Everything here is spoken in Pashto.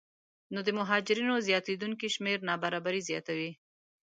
نو د مهاجرینو زیاتېدونکی شمېر نابرابري زیاتوي